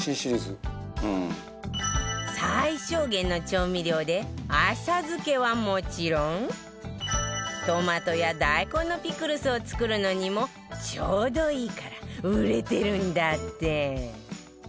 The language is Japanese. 最小限の調味料で浅漬けはもちろんトマトや大根のピクルスを作るのにもちょうどいいから売れてるんだって